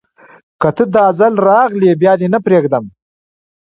که ته، داځل راغلي بیا دې نه پریږدم